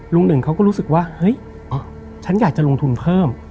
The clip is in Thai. ลุง๑ก็รู้สึกว่าฉันอยากจะลงทุนเพิ่ม